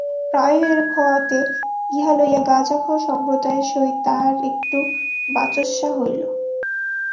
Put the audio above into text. প্রায়ই এরূপ হওয়াতে ইহা লইয়া গাঁজাখের সম্প্রদায়ের সহিত তাহার একটু বাচসা হইল।